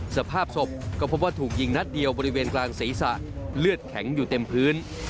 สภาพศพก็พบว่าถูกยิงนัดเดียวบริเวณกลางศีรษะเลือดแข็งอยู่เต็มพื้น